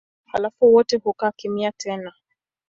Halafu wote hukaa kimya tena.